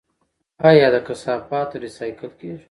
آیا د کثافاتو ریسایکل کیږي؟